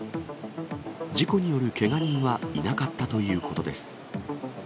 事故によるけが人はいなかったということです。